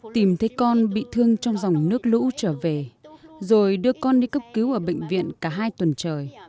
tìm thấy con bị thương trong dòng nước lũ trở về rồi đưa con đi cấp cứu ở bệnh viện cả hai tuần trời